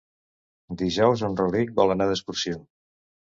Dijous en Rauric vol anar d'excursió.